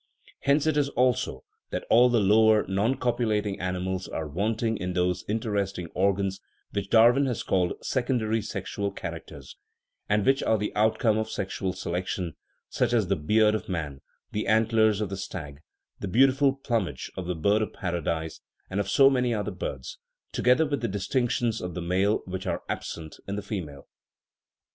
Hence it is, also, that all the lower, non copulating animals are wanting in those interesting organs which Darwin has called " secondary sexual characters," and which are the outcome of sexual selection : such are the beard of man, the antlers of the stag, the beautiful plumage of the bird of paradise and of so many other birds, to gether with other distinctions of the male which are absent in the female.